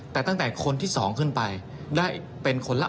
แต่ตั้งแต่คนที่๒ขึ้นไปได้เป็นคนละ